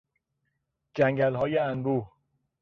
جنگلهای انبوه